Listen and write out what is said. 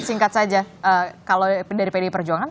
singkat saja kalau dari pdi perjuangan